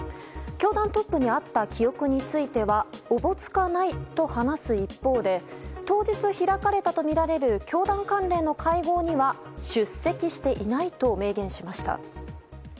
教団トップに会った記憶についてはおぼつかないと話す一方で当日、開かれたとみられる教団関連の会合には出席していないと明言しました。